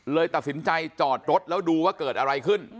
ตัดสินใจจอดรถแล้วดูว่าเกิดอะไรขึ้น